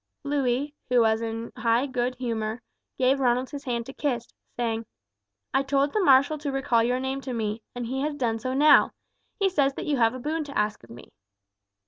Louis, who was in high good humour, gave Ronald his hand to kiss, saying: "I told the marshal to recall your name to me, and he has done so now. He says that you have a boon to ask of me."